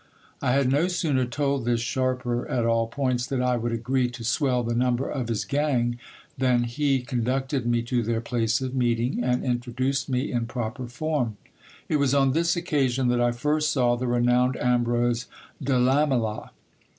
I had no sooner told this sharper at all points, that I would agree to swell the number of his gang, than he con ducted me to their place of meeting, and introduced me in proper form. It was on this occasion that I first saw the renowned Ambrose de Lamela.